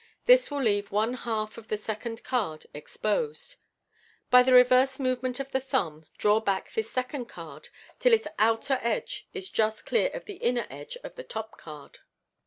This will leave one half of the second card exposed. By a reverse movement of the thumb, draw back this second card till its outer edge is just clear of the inner edge of the top card.